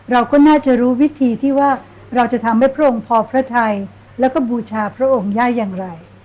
เราก็น่าจะรู้วิธีที่ว่าเราจะทำให้พระองค์พอพระไทยแล้วก็บูชาพระองค์ได้อย่างไร